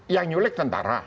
yang nyulek tentara